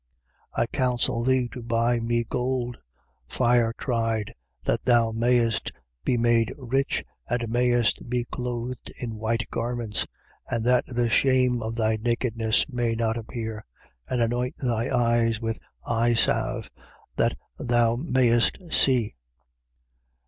3:18. I counsel thee to buy of me gold, fire tried, that thou mayest be made rich and mayest be clothed in white garments: and that the shame of thy nakedness may not appear. And anoint thy eyes with eyesalve, that thou mayest see.